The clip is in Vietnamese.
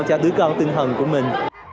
cho đứa con tinh thần của mình